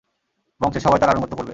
বংশের সবাই তার আনুগত্য করবে।